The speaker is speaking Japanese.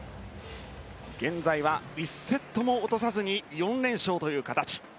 現在は１セットも落とさずに４連勝という形。